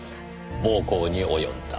暴行に及んだ。